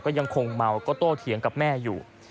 ก็ยังคงเมาก็โตเถียงกับแม่อยู่